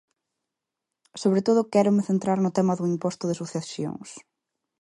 Sobre todo, quérome centrar no tema do imposto de sucesións.